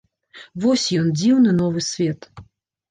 Вось ён, дзіўны новы свет!